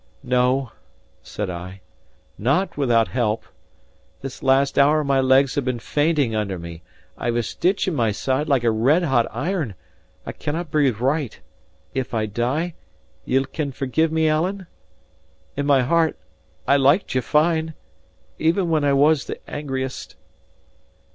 "No," said I, "not without help. This last hour my legs have been fainting under me; I've a stitch in my side like a red hot iron; I cannae breathe right. If I die, ye'll can forgive me, Alan? In my heart, I liked ye fine even when I was the angriest."